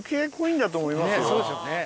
そうですよね。